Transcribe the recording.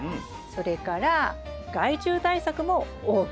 それから害虫対策もＯＫ。